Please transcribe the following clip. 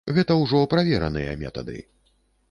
Гэта ўжо правераныя метады.